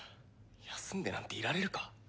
休んでなんていられるか。